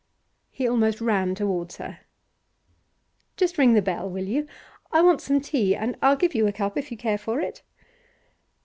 He almost ran towards her. 'Just ring the bell, will you? I want some tea, and I'll give you a cup if you care for it.